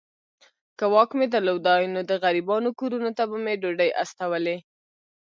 که واک مي درلودای نو د غریبانو کورونو ته به مي ډوډۍ استولې.